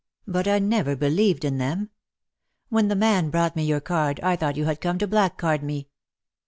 But I never believed in them. When the man brought me your card I thought you had come to blackguard me.